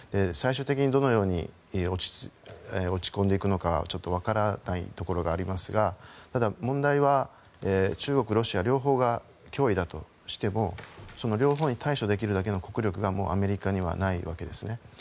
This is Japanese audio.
最終的にどのように落ち込んでいくのかちょっと分からないところがありますが中国、ロシア両方が脅威だとしてもその両方に対処できるほどの国力がもうアメリカにはないわけです。